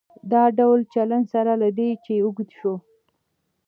دا ډول چلن سره له دې چې اوږد شو.